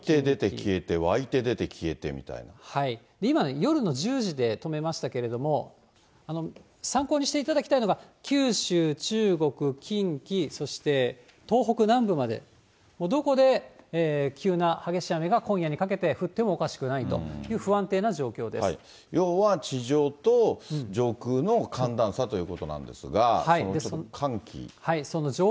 湧いて出て消えて、今ね、夜の１０時で止めましたけれども、参考にしていただきたいのが、九州、中国、近畿、そして東北南部まで、どこで急な激しい雨が今夜にかけて降ってもおかしくないという不要は、地上と上空の寒暖差ということなんですが、その寒気。